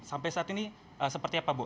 sampai saat ini seperti apa bu